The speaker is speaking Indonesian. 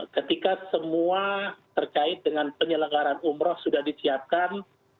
ketika semua terkait dengan penyelenggaran umroh sudah disiapkan